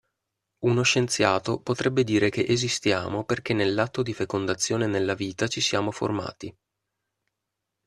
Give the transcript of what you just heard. Uno scienziato potrebbe dire che esistiamo perché nell'atto di fecondazione nella vita ci siamo formati.